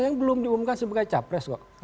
yang belum diumumkan sebagai capres kok